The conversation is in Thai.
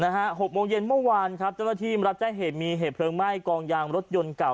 หกโมงเย็นเมื่อวานครับเจ้าหน้าที่มารับแจ้งเหตุมีเหตุเพลิงไหม้กองยางรถยนต์เก่า